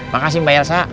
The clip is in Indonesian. makasih mbak elsa